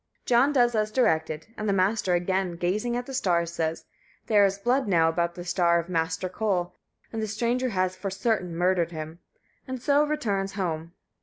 John does as directed, and the Master, again gazing at the stars, says: "There is blood now about the star of Master Koll, and the stranger has for certain murdered him," and so returns home.